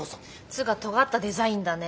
つうかとがったデザインだね。